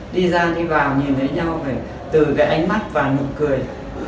đi ra đi vào nhìn thấy nhau về từ cái ánh mắt và nụ cười